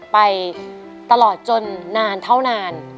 ไปตลอดจนนานเท่านาน